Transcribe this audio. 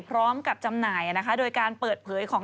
พร้อมกับจำหน่ายโดยการเปิดเผยของ